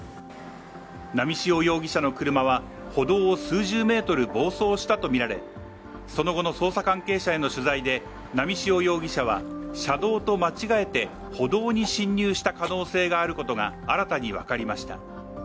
波汐容疑者の車は歩道を数十メートル暴走したとみられ、その後の捜査関係者への取材で波汐容疑者は車道と間違えて歩道に進入した可能性があることが新たに分かりました。